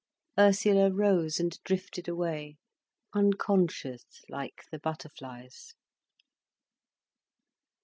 Ursula rose and drifted away, unconscious like the butterflies.